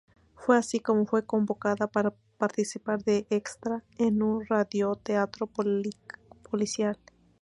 Fue así como fue convocada para participar de extra en un radioteatro policial.